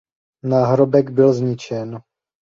Náhrobek byl zničen.